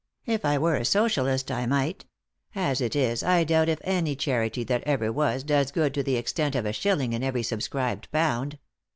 If I were a Socialist I might ; as it is, I doubt if any charity that ever was does good to the extent of a shilling in every subscribed pound.